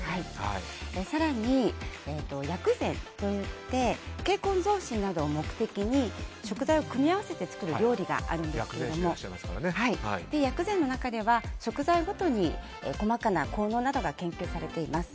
更に、薬膳といって健康増進などを目的に食材を組み合わせて作る料理があるんですが薬膳の中では食材ごとに細かな効能などが研究されています。